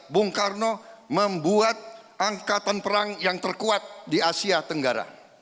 bung karno membuat angkatan perang yang terkuat di asia tenggara